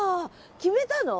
決めたの？